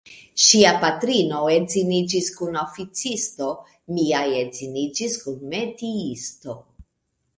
Ŝia patrino edziniĝis kun oficisto, mia edziniĝis kun metiisto.